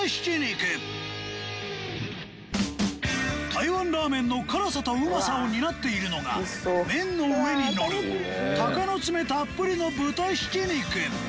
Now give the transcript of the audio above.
台湾ラーメンの辛さとうまさを担っているのが麺の上にのる鷹の爪たっぷりの豚ひき肉